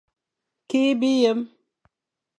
Kikh biyem.